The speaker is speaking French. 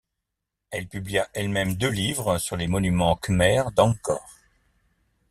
Elle publia elle-même deux livres sur les monuments khmères d'Angkor.